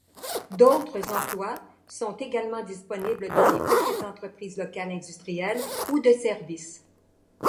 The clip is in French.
D'autres emplois sont également disponibles dans les petites entreprises locales industrielles ou de services.